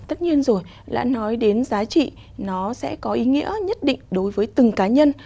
tất nhiên rồi đã nói đến giá trị nó sẽ có ý nghĩa nhất định đối với từng cá nhân